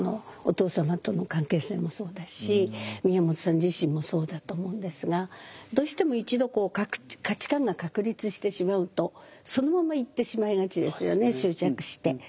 お父様との関係性もそうだし宮本さん自身もそうだと思うんですがどうしても一度価値観が確立してしまうとそのままいってしまいがちですよね執着して。